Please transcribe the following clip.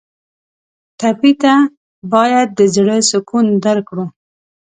ټپي ته باید د زړه سکون درکړو.